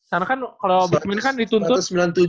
karena kan kalau badminton kan dituntut